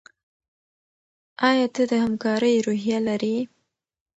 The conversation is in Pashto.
ایا ته د همکارۍ روحیه لرې؟